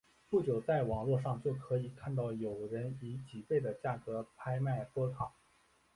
不久在网络上就可以看到有人以几倍的价格拍卖波卡。